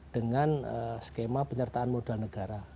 dengan skema penyertaan modal negara